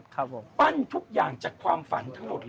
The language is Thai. ครับผมปั้นทุกอย่างจากความฝันทั้งหมดเลย